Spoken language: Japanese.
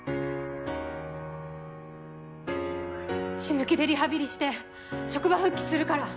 死ぬ気でリハビリして職場復帰するから。